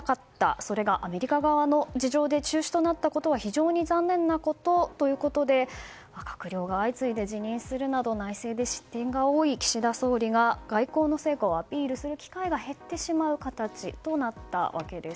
それがアメリカ側の事情で中止となったことは非常に残念なことということで閣僚が相次いで辞任するなど内政で失点が多い岸田総理が外交の成果をアピールする機会が減ってしまう形となったわけです。